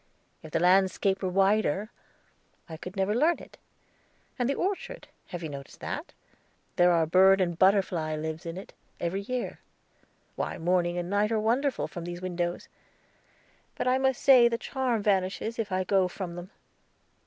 If the landscape were wider, I could never learn it. And the orchard have you noticed that? There are bird and butterfly lives in it, every year. Why, morning and night are wonderful from these windows. But I must say the charm vanishes if I go from them.